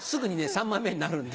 ３枚目になるんで。